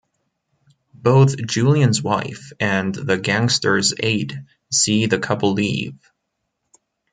Both Julian's wife and the gangster's aide see the couple leave.